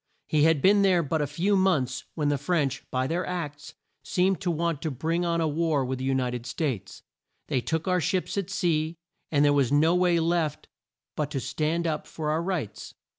He had been there but a few months when the French, by their acts, seemed to want to bring on a war with the U ni ted States. They took our ships at sea, and there was no way left but to stand up for our rights.